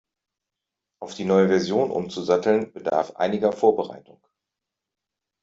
Auf die neue Version umzusatteln, bedarf einiger Vorbereitung.